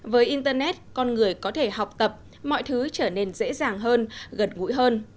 với internet con người có thể học tập mọi thứ trở nên dễ dàng hơn gần gũi hơn